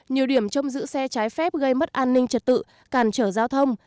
nhiều điểm trong giữ xe trái phép gây mất an ninh trật tự càn trở giao thông